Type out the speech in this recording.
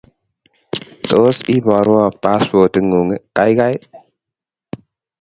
Tos, iborwo paspotitngung, gaigai?